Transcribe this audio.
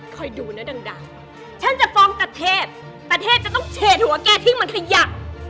ดูนะดังฉันจะฟ้องตะเทศตะเทพจะต้องเฉดหัวแกทิ้งมันขยับ